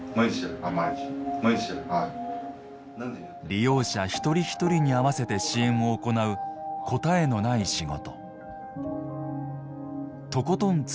利用者一人一人に合わせて支援を行う答えのない仕事。